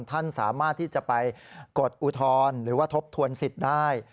ท่านสามารถที่จะไปกดอุทธรณ์หรือว่าทบทวนสิทธิ์ได้